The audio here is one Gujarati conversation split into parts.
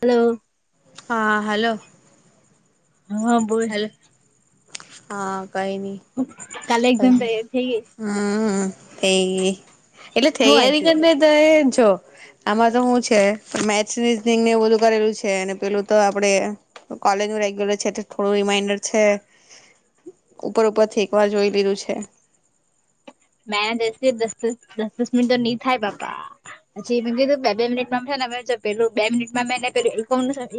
હલો. હા હલો. હા બોલ. હલો હા કઈ ની કાલે એકદમ તૈયાર થઈ ગઈ હમ્મ હમ્મ. તે એટલે [unintelligible] હું વાંચ્યું કરીને એ જો આમાં તો હું છે મેથ્સ રીઝનિંગ ને એવ બધું કરેલું છે અને પેલું તો આપડે કોલેજ નું રેગ્યુલર છે એટલે થોડું રિમાઈન્ડર છે. ઉપર ઉપર થી એકવાર જોઈ લીધું છે. મેં જ દસ દસ દસ મિનિટ તો નહી થાય બાપા પછી મેં કીધું બે બે મિનિટ માં પેલું બે મિનિટમાં મે પેલુ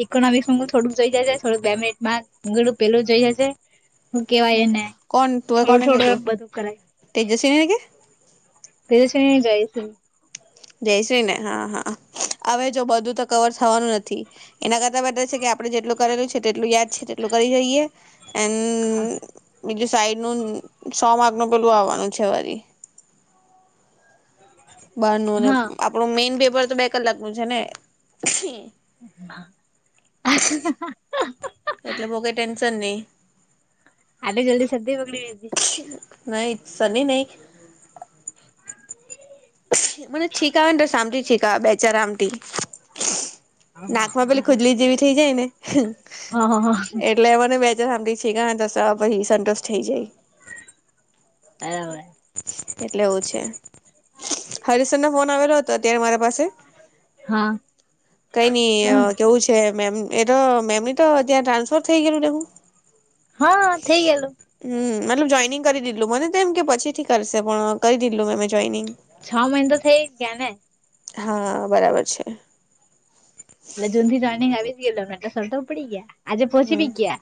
ઈકોનોમિકસ થોડુંક જોઈ જાજે થોડુંક બે મિનટમાં થોડું પેલું જોઈ જાજે હું કેવાય હમ એને કોણ થોડું થોડું બધું કરાય તેને કે [unintelligible] જય શ્રી ને હા હા હવે જો બધું તો કવર થવાનું નથી એના કરતા બેટર છે કે અ આપડણે જેટલું કરેલું છે તેટલું યાદ છે તેટલું કરી રહીયે. આન બીજું સાઈડ નું સો માક નું પેલું આવવાનું છે વરી બારનું ને હા આપણું મેઈન પેપર તો બે કલાક નું છે ને. [unintelligible] તને આટલી જલ્દી શરદી બગડી નહી શરદી નહી કા બેચાર આમટી. નાકમાં પેલી ખુજલી જેવી થઈ જાય ને હા હા હા એટલે મને બે જ હામ બી છેગ સા પાહિ સંંતુષ્ટ થઈ જાય. આ એટલે એવું છે. હરીશ સરનો ફોન આવેલો હતો અત્યારે મારા પાસે. કઈ નઈ કેવું છે મે એમ એ તો મેમની તો ત્યાં ટ્રાન્સફર થઈ ગેલું દેહુ. હા થઈ ગેલું. મતલબ જોઈનિંગ કરી દીધલું મને તો એમ કે પછી થી કરશે પણ કરી દીધલું મેમેં જોઈનિંગ. છ મહિના તો થઈ જ ગયા ને. હા બરાબર છે. એટલે જૂનથી જોઈનિંગ આવી જ ગેલુ એટલે સર તો ઉપડી ગયા. આજે પહોંચી હમ્મ બી ગયા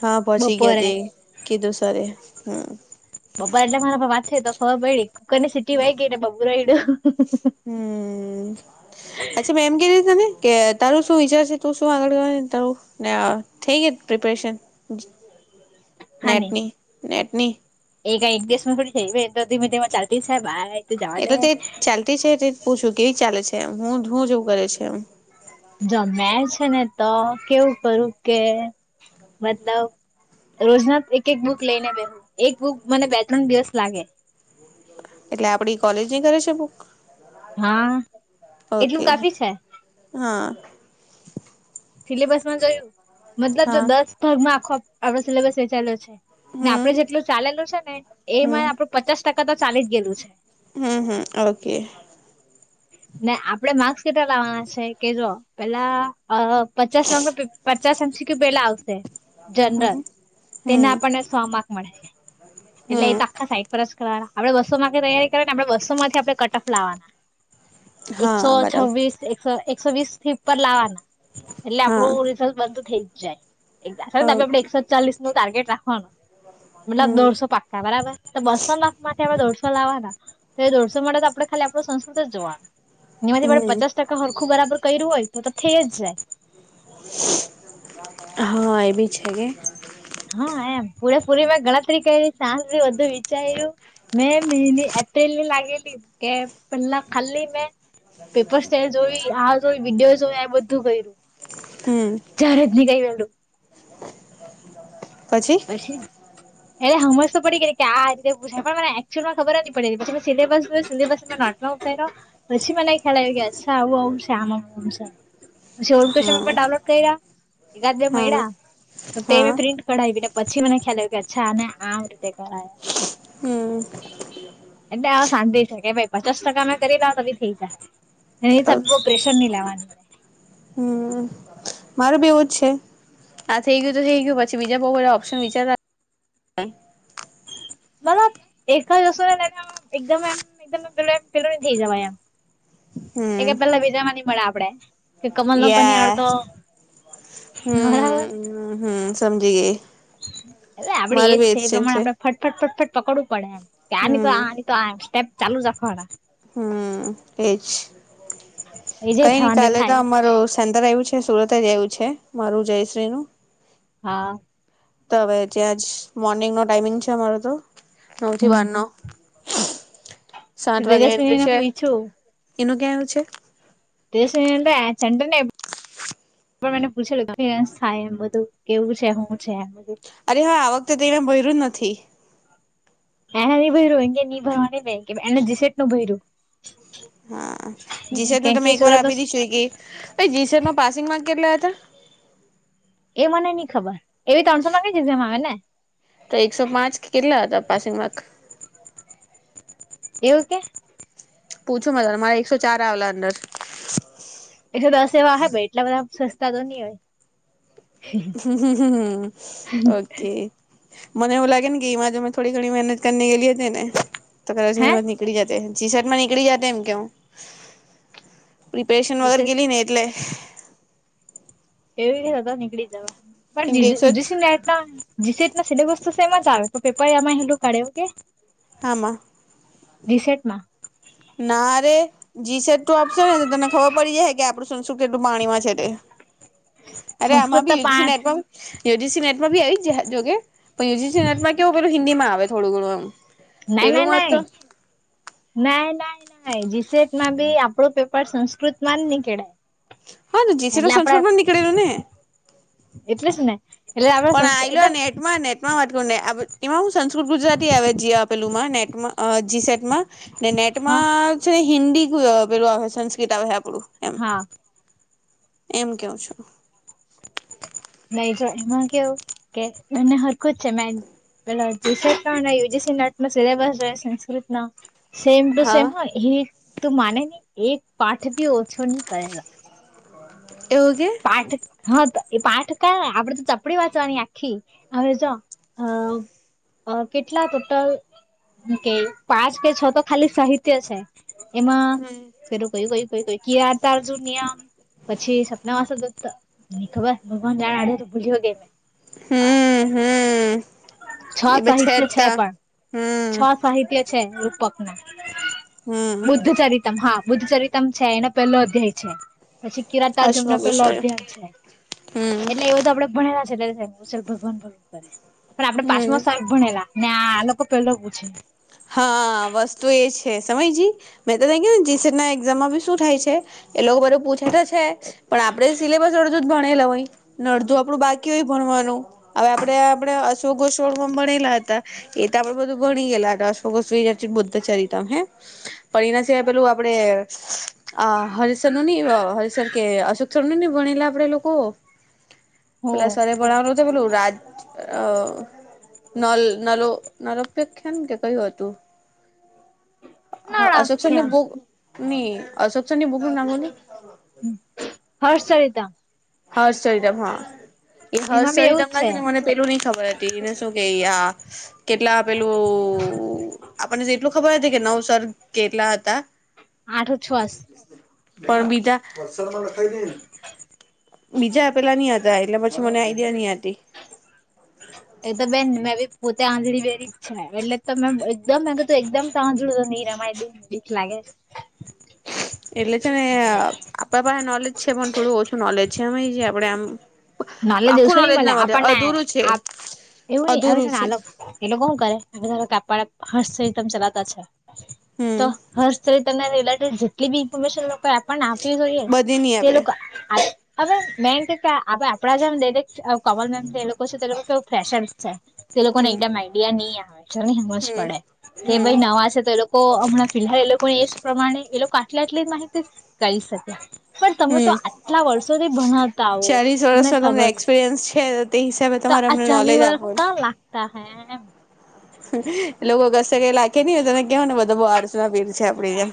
હા પહોંચી ગયા બપોરે તે કીધું સરે હમ્મ. પપ્પા એટલે મારા પા વાત થી તો ખબર પયડી કોની સીટી વાઈ ગઈ એટલે બબૂ રયડુ. હમ અચ્છા મે એમ કેતી તને કે તારું શું વિચાર છે તું શું આગળ [unintelligible] તારું ને આ થઈ ગય પ્રિપરેશન હા નહી નેટની. નેટની. એ કઈ એક દિવસ માં થોડી થાય [unintelligible] તો ધીમે ધીમે ચાલતી છે બાય તો જવા દે એટલે તે ચાલતી છે તે પૂછું કેવી ચાલે છે હું હું જેવું કરે છે એમ. જો મે છે ને તો કેવું કરું કે મતલબ રોજના એક એક બુક લઈને બેહું એક બુક મને બે ત્રણ દિવસ લાગે. એટલે આપડી કોલેજે કરે છે બુક હા એટલું ઓકે કાફી છે હા. સિલેબસમાં જોયું મતલબ જો હા દસ ભાગમાં આખો આપણો સિલેબસ વેચાયેલો છે. ને હમ આપડે જેટલું ચાલેલું છે ને હમ એમાં આપડું પચાસ ટકા તો ચાલી જ ગયેલું છે. હમ હમ ઓકે. ને આપડે માર્ક્સ કેટલા લાવવાના છે કે જો પેલા પચાસ માકનું પે પચાસ એમ સી ક્યૂ પેલા આવશે હમ જનરલ તેને હમ આપણને સો માર્ક મળે. એટલે એતો હમ આખા સાઈડ પર જ કરવાના એટલે એ તો આખા સાઇડ પર જ કરવાના આપડે બસો માંકની તૈયારી કરવા ને આપડણે બસોમાંથી આપણે કટ ઓફ લાવવાના એકસો હા બરાબર છવ્વીસ એકસો એકસો વીસ થી ઉપર લાવવાના. એટલે હા આપણું રિઝલ્ટ બંધ થઇ જ જાય [unintelligible] આપડે ઓકે એકસો ચાલીસ નો ટાર્ગેટ રાખવાનું. મતલબ હમ દોઢસો પાકા બરાબર તો બસો માંથી હવે દોઢસો લાવવાના. તો એ દોડસો માટે જ આપણે ખાલી આપણો સંસ્કૃત જ જોવાનું. એનીમાંથી આપડે હમ પચાસ ટકા હરખું બરાબર કર્યું હોય તો તો થઈ જ જાય. હા એ ભી છે કે. હા એમ પુરેપૂરી મેં ગણતરી કરી સાજથી બધું વિચાર્યું મેં મહિની એપ્રિલ ની લાગેલી કે પેલા ખાલી મે પેપર્ સ્ટાઇલ જોઈ આ જોઈ વિડીયો જોઈ આ બધું કર્યું. હમ ચારજની ગઈ વેલું. પછી. એટલે હમજ તો પડી ગઈ કે આ રીતે પુછાય મને એક્ચ્યુઅલમાં ખબર જ ની પડેલી પછી સિલેબસ ને સિલેબસ નોટમાં પછી મને ખ્યાલ આવ્યો કે અચ્છા આવું આવું છે આમ આવ છે. [unintelligible] હા પેપર ડાઉનલોડ કર્યા એકાદ બે હા મળ્યા તો હા તેં પ્રિન્ટ કઢાવીને પછી મને ખ્યાલ આવ કે અચ્છાને આ રીતે કરયા. હમ એટલે આવ શાંતિ છે કે ભાઈ પચાસ ટકા મે કરી દાવ તો બી થઇ જાહે. એ [unintelligible] પ્રેશર ની લેવાનું મળે. હમ મારું બી એવું જ છે આ થઈ ગયું તો થઈ ગયું પછી બીજા બહુ બધા ઓપ્શન વિચારવા હ [unintelligible] મતલબ એકવાર જશો નેને એકદમ એમ એકમ પેલું એમ પેલું ન થઇ જવાય એમ એ હમ કે પેલા ભેજા ન મળે આપડે. કે કમલ નો પણની યા આડતો [unintelligible] હમ હમ સમજી ગઈ અલે આપડે મારે એજ બી છે એ સીન પ્રમાણે [unintelligible] ફટફટ ફટફટ પકડવું પડે એમ. ત્યાં નની હમ તો આ તો સ્ટેપ ચાલુ જ રાખવાના. હમ-મ-મ એજ એ જે કઈ નની થવાનું તે કાલે તો થાય અમાર સેન્ટર આવ્યું છે. સુરત જ એવું છે, મારું જયશ્રીનુંું હા! તો હવે જ્યાં જ મોર્નિંગ નો ટાઈમિંગ છે અમાર તો! નવથી હમ બારનો સાત વાગે એન્ટ્રી તેજસ્વીનીને છે, પૂછ્યું એનું ક્યાં આવું છે? [unintelligible] પણ મને પૂછેલ [unintelligible] સા એમ બધું કેવું છે હું છેમ બધું! અરે હવે આ વખતે તે ભય્યું નથી એના ન ભયર્યું એ કે ન ભરવા ન એના જીસેટ નું ભય્યું. હા! જીસર નું તમે એક વાર સુરત નું આપી દી સ્ગી પ જીસર ન પાસિંગ માં કેટલો હતા? એ મને નઈ ખબર એવી ત્રણસો માંગી જ જે એમ આવે ને! તો એકસો પાંચ કે કેટલા હતા પાસિંગમાંક? એવું કે! પૂછું મ [unintelligible] ત મારે એકસો ચાર આવેલા અંદર. એ તો દસ એવા હ ભાઈ! એટલા બધા સસ્તા તો ની હોય? હ -હ -હ- ઓકે! મનેવું લાગે ગી માજ મે થોડી ઘણી મહેનતને [unintelligible] ગેલી હતી. છે ને તો કદાચ હે નીકળી જતે જી શર્ટ માં નીકળી જતે એમ કેવ. પ્રિપેરેશન વગેરે જીસેટ ગલી ને એટલે. એવી રીતે થતા નીકળી જવા કેમકે એકસો પણીસીના [unintelligible] જીસીટના સિલેબસ્ એમાં જ આવે. તો પેપા એમાં હેલું કાઢે કે. આમાં જીસેટમાં ના ર જી સટ તું આપશે ને તને ખબર પડી જાય કે આપડું શું કેટલું પાણીમાં છે તે અરે આમાં સંસ્કૃત તો બી યુજીસી પા નેટવર્ યુજીસી નેટ આવી જો કેવ પેલું હિન્દી માં આવે થોડું ઘણું એમ. ના ન પેલું માં ન તો ના ના. જીસેટ માં બી આપણો પેપર સંસ્કૃત માં જ નઈ કેળાય હા તો જીસેટ એટલે આપડે સંસ્કૃતમાં નીકળેલું ને એટલે સુુંને એટલે પણ સંસ્કૃત આ્યો નેટમાં નેટમાં વાતું ને એમાં હું સંસ્કૃત ગુજરાતી આવે આપેલું માં નેટ જી સટમાં ને હા નેટમાં છે ને હિન્દી પેલું આવે સંસ્કૃત આવે છે આપણું હા એમ કયો છ નહી જો એમાં કેવું કે એને હરકું જ છે મે પેલા જે સરકાર ના યુ જસી ના આટમાં સિલેબસ જો સંસ્કૃત ના સેમ ટુ હા સેમ હ એ તું માને નને એક પાઠ ભી ઓછો નહી કરેલા એવું કે હા તો એ પાઠ કા આપડે તો ચપડી વાંચવાની આખી હવે જો અ કેટલા ટોટલ કે પાંચ કે છ તો ખાલી સાહિત્ય છે. એમાં હમ ફેરું કયું કય ક ક તારજુ આમ. પછી સપના વાસ તો ખબર ભગવાન જાડ્યો તો ભૂલ્યો ગે મેં હમ હમ. છ એ બ જ સાહિત્ય ત છે પણ છ હમ સાહિત્ય છે. ક હમ બુદ્ધ ચરિતમ હા. બુદ્ધ ચરિતમ છે એનો પેલો અધ્યાય છે પછી કિરાતાર અશોક જમના પેલો વિશ્વ અધ્યયન છે હમ એટલે એવ તો આપડે ભલા છે એટલે ભગવાન ભ. પણ આપડે હમ પાચમા શક ભણેલા ને આ લોકો પેલો પૂછે. હા વસ્તુ એ છે સમયજી મેં તો ત કેને જીટ એક્ઝામમાં બી શું થાય છે. એ લોકો બધું પૂછે તો છે પણ આપડે સિલેબસ અડધું જ ભણેલા હોય ને અડધું આપડું બાકી હોય ભણ હવે આપે આપે અશોક ગોસડ ભણેલા હતા એ તો આપડે બધું ભણી ગયેલા હતા. [unintelligible] બુદ્ધ ચરિત હે પણ એના સિવાય પેલું આપડે અ હરિસર નું નહ હરિસર કે અશોકસર ન ન ભણેલા આપડે લોકો. હો પેલા સરરે ભણવાનું તો પેલું રાજ નલ નલો નલોપેખ્યાન કે કયું હતું. હા અશોકસને નળખ્યા બો ની અશોકસ ની બોગુ નાખવલી હ હર્ષલતા હર શરીરામ હા એ એમાં બી હર્ચળ એવું જ તમને છે ને મને પેલું નઈ ખબર હતી એને શું કે આ કેટલા પેલું તો આપને એટલું ખબર હતી કે નવસ કેટલા હતા આઠો છસ પણ બીજામાં [unintelligible] બીજા પેલા નહ હતા એટલે પછી મને આઈડિયા નહ હતી. એકદમ બેન મેં બી પોતે આંજળી બેરી જ છે ને એટલે તો મે એકમ મે એકદમ સાંજળું રમાય દ દીખ લાગે. હા. એટલે છે ને આપણા પાસે નોલેજ છે પણ થોડું ઓછું નોલેજ છે એમ એ છે આપડે આમ, નલે આખું દિવસો ન નોલેજ ના મલા મળે આપણ અધૂરું છે ના. એવું નઈિ આવે છે ને આલગ એ લોકો શું કરે કાપડા હર્ષ સહ તમે ચલાવતા છે. તો હમ હર્ષચ તમને રિલેટેડ જેટલી બી ઇન્ફોર્મેશનઈ આપને આપ. ફી જો એ બધી નહી તે આપે લોકોક. હવે મેં કે હવે આપડા જેમ દેરે કમલ મેન એ લોકો છે તે લોકો. પ્રેશર છે એ લોકો કો હમ એકદમ આઈડિયા ની. સમજ હમ પડે કે હમ ભાઈ નવા છે તો એ લોકો હમણાં ફિહલાલ એ લોકો એ જ પ્રમાણે એ લોકો. આટલા આટલી માહિતી કઈ શકે. પણ તમે તો હમ આટલા વર્ષોથી ભણાવતા આવો ચાલીસ તમને વર્ષનો ખબર એક્સપિરિયન્સ છે તો તે હિસાબે તો તમારે આ. અમને ચાલી નોલેજ વાર આપો કણ લાગતા અહે એમ એ લોકો કસેક લાખેની હોય તને કહવો ને બધા આળસુના પીર છે આપડી જેમ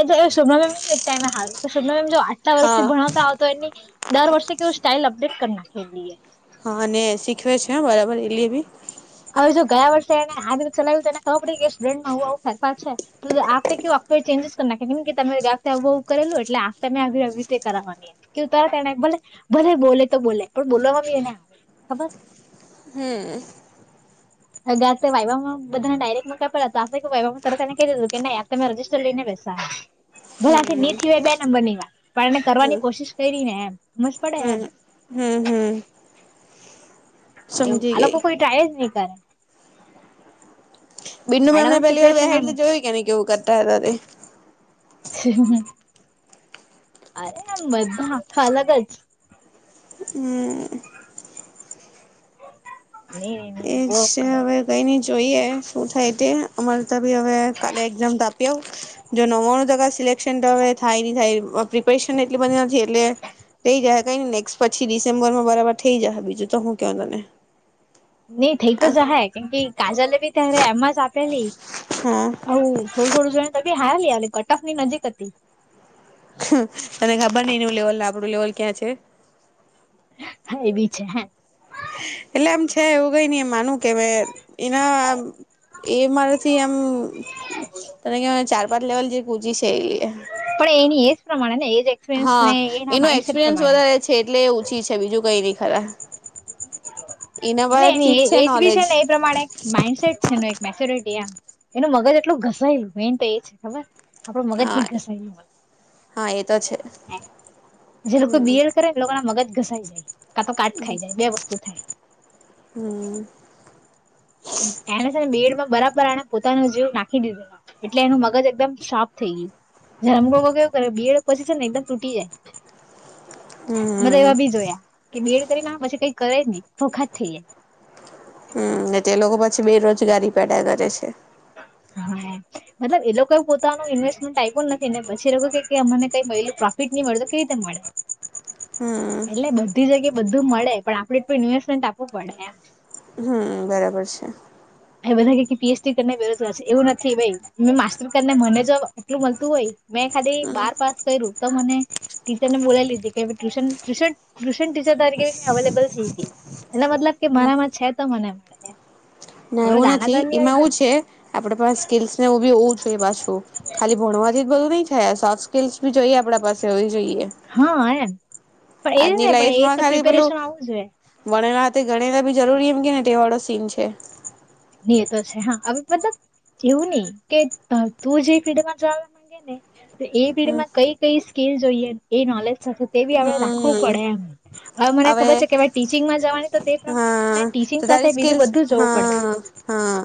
એતો એ સ્વર્્ [unintelligible] ણમમ એક ટાઈમ હાલ કે સ્વર્્ [unintelligible] ણમમ જો આટલા હા વર્ષથી ભણાવતા આવ તો એની દર વર્ષે કેવું સ્ટાઇલ અપડેટ કરી નાખે હા અને શીખવે છે બરાબર એલી બી. હવે જો ગયા વર્ષે એને આજ રીતે ચલાવ્યું તો એને ખબર પડી કે સ્ટુડન્ટમાં આવું આવું ફેરફાર છે તો આપે કેવું. કોઈ ચેન્જસ જ કરી નાખે કેમ કે તરે ગા આવું આવવું કરેલું એટલે તમેવી રીતે કર કરવાવાની કે તને ભલે બોલે તો બોલે પણ બોલવામાં બી એને આવે ખબર હમ. હગા તે વાઇવામાં બધાને ડાયરેકમાં કે પેલા હતા વાઇવા માં તરત તને કહી દીધું કે નઈ તમે રજજીસ્ટર લઈને. બેસા. ભલે હમ ની થી હો બે નંબર ની વા પણ એને હમ કરવાની કોશિશ કરી ને એમ મસ્ત પડે એમ. હમ હમ હમ. એવું સમજી આ લોકો ગઈ કોઈ ટ્રાય જ ની કરે. બીન્નુ મેમને એડવાન્સ પહેલીવાર પ્રિપરેશન અમે બેહાડીને જોયું કે એણે કેવું કરતા હતા તે. હ [unintelligible] અરે એમ બધા આખા અલગ જ. હમ. અને. એ જ છે હવે કઈ નહી જોઈએ શું થાય તે અમાર. તો ભઈ હવે કાલે એઝામ આપી આવુ જો નવવાણું ટકા સિલેક્શન તો હવે થાય ની થાય વખ. પ્રિપેરેશન એટલી બધી નથી એટલે. થઈ જાય કઈ નેક્સ્ટ પછી ડિસેમ્બરમાં બરાબર થઈ જાહે બીજું તો હું ક્યો તમે. નઈ થઈ તો જાહે કેમ કે કાજલે બી ત્યારે એમ જ આપેલી હા હઉ. થોડું થોડું જણ ત બી હયાલી કટકની નજીક હતી. અને ખબર નઈ નું લેવલ આપડું લેવલ ક્યાં છે. હા એ બી છે હ. એટલે એમ છે એવું કઈ ની માનું. કે ઈના આમ એ મારાથી એમ. તને કે ચાર પાંચ લેવલ જે કૂજી છે એ. પણ એની એ પ્રમા. હા એનું એક્સપિરિયન્સ પ્રમાણે વધારે છે એટલે ઓછી છે બીજું કઈ નહી ખરા. એના એટલે પર ચીજ એની એજ બી છે નોલેજ ને એ પ્રમાણે માઈન્ડસેટ છે એક મેચ્યોરિટી આમ. એનું મગજ એટલું ઘસાઈ મેન તો એ છે ખબર આપડું મગજ હા ની ઘસાયુ હા એ તો છે જે લોકો હમ બીએડ કરે એ લોકોના મગજ ઘસાઈ જાય. કા તો કાટ ખાઈ જાય બે વસ્તુ થાય. હમ એને છે ને બીએડમાં બરાબર આને પોતાનો જીવ નાખી દીધે લો એટલે એનું મગજ એકદમ શાર્પ થય. હમ્મ જેમ લોકો કેવું કરે બીએડ પછી છે ને એકદમ તૂટી જાય, મે તો હમ એવા બી જોયા કે બીએડ ના પછી કઈ કરે જ ની વોખાત થઈ જાય, હમ્મ તે લોકો પછી બેરોજગારી પેદા કરે છે. જાય હા મતલબ એ લોકો એ પોતાનું ઇન્વેસ્ટમેન્ટ આઈપ્યું નથી, ને પછી એ લોકો કે અમને કઈ મયલું પ્રોફિટ મઇડું તો કે રીતે મળે? હમ એટલે બધી જગ્યાએ બધું મળે પણ આપડે એટલુ ઇન્વેસ્ટમેન્ટ આપવું પડે એમ હમ્મ બરાબર છે હ બધા પીએચડી કરને બેરોજગાર છે એવું નથી ભાઈ માસ્ટર કરી ને મને જ આટલું મળતું હોય. મેં ખાલી હમ બાર પાસ કર્યું. તો મને ટીચરને બોલાઈ લીધી કે ટ્યુશન ટ્યુશન ટ્યુશન ટીચર તરીકે મેં અવેલેબલ થઈ ગઈ. એનો મતલબ કે મારામાં છે તો મને મળે એમ. ના એવું નથી. એમાં એવું છે આપણે પાસ સ્કિલસને એવું બી હોવું જોઈએ પાછું ખાલી ભણવાથી જ બધું નહી થાય સોફ્ટ સ્કીલસ બી જોઈએ આપણા પાસે હોવી જોઈએ. હા એમ પણ એ આજની ને પણ એ લાઈફમાં તો ખાલી પ્રિપેરેશન પેલું આવું જોઈએ વણેલા. તે ગણેલા બી જરૂરી એમ કે ને તે વાળો સીન છે. ની એ તો છે હા હવે મતલબ. એવું નઈ કે તું જે ફીડમાં જવા માંગેને. તે એ હમ પીઢીમાં કઈ કઈ સ્કીલ જોઈએ એ નોલેજ. તે બી આપણે રાખવું હમ પડે એમ. હવે મને ખબર છે કે ભાઈ ટીચિંગમાં જવાની તો તે પ્રમાણે મેં ટી. હા ટીચિંગ તો સાથે તારી બીજું સ્કીલ્સ બધું જોવું પડે. હા હા.